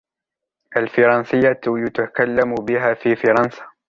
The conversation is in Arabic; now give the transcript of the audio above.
الفرنسية يتكلم بها في فرنسا.